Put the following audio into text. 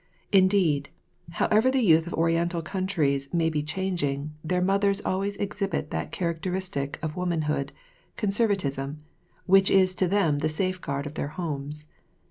Indeed, however the youth of Oriental countries may be changing, their mothers always exhibit that characteristic of woman hood, conservatism, which is to them the safe guard of their homes.